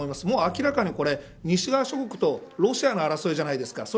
もう明らかに、西側諸国とロシアの争いじゃないですか。